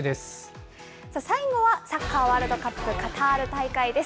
最後はサッカーワールドカップ、カタール大会です。